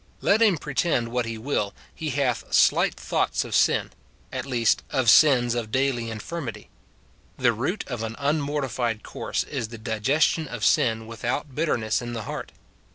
Let him pretend what he will, he hath slight thoughts of sin ; at least, of sins of daily infirmity. The root of an unmortified course is the digestion of sin without bitterness in the heart.